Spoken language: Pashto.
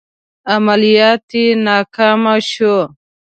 عملیات یې ناکام شول.